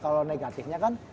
kalau negatifnya kan